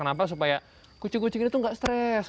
kenapa supaya kucing kucing ini tuh nggak stres